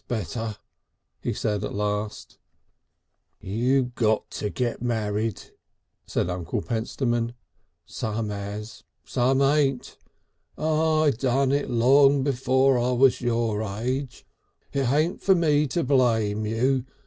"That's better," he said at last. "You got to get married," said Uncle Pentstemon. "Some has. Some hain't. I done it long before I was your age. It hain't for me to blame you.